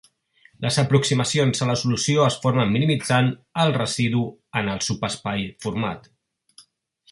Les aproximacions a la solució es formen minimitzant el residu en el subespai format.